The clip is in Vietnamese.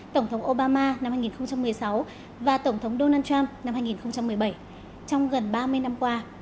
tổng thống obama năm hai nghìn một mươi sáu và tổng thống donald trump năm hai nghìn một mươi bảy trong gần ba mươi năm qua